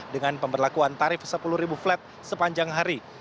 dengan pemberlakuan tarif sepuluh flat sepanjang hari